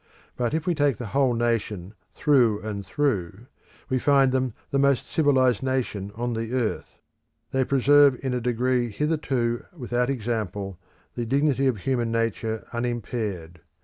But if we take the whole people through and through, we find them the most civilised nation on the earth. They, preserve in a degree hitherto without example the dignity of human nature unimpaired.